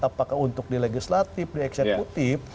apakah untuk di legislatif di eksekutif